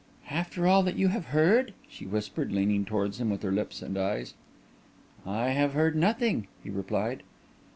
"After all that you have heard?" she whispered, leaning towards him with her lips and eyes. "I have heard nothing," he replied.